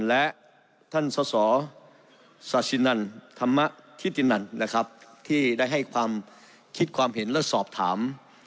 และท่านสสชินันธรรมธิตินันนะครับที่ได้ให้ความคิดความเห็นและสอบถาม